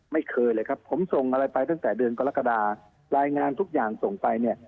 ไม่เคยเลยครับผมส่งอะไรไปตั้งแต่เดือนกรกฎารายงานทุกอย่างส่งไปเนี่ย